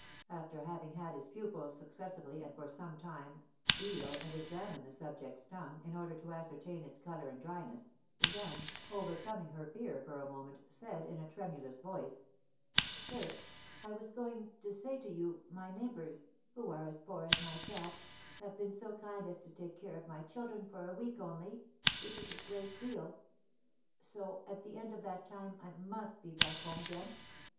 After having had his pupils successively, and for some time, feel and examine the subject's tongue, in order to ascertain its colour and dryness, Jeanne, overcoming her fear for a moment, said, in a tremulous voice: "Sir, I was going to say to you, my neighbours, who are as poor as myself, have been so kind as to take care of my children for a week only, which is a great deal; so at the end of that time I must be back home again.